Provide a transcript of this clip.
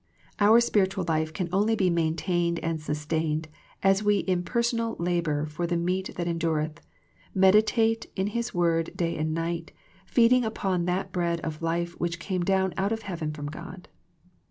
Our spiritual life can only be maintained and sustained as we in personal la bour for the meat that endureth, meditate in His Word day and night, feeding upon that Bread of Life which came down out of heaven from God.